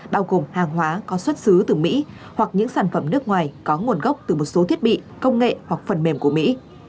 bao gồm hàng hóa có xuất xứ từ mỹ hoặc những sản phẩm nước ngoài có nguồn gốc từ một số thiết bị công nghệ hoặc phần mềm của mỹ